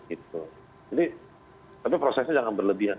jadi prosesnya jangan berlebihan